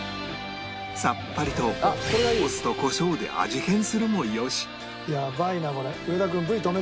さっぱりとお酢とコショウで味変するもよし